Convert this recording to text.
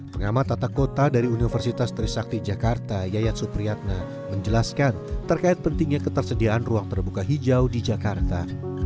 pengamat tata kota dari universitas trisakti jakarta yayat supriyatna menjelaskan terkait pentingnya ketersediaan ruang terbuka hijau di jakarta